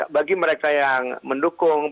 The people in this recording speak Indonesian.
bagi mereka yang mendukung